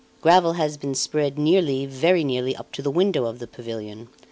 Gravel has been spread nearly, very nearly, up to the windows of the pavilion.